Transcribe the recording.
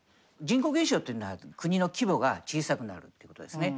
人口減少っていうのは国の規模が小さくなるっていうことですね。